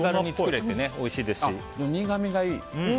苦みがいい！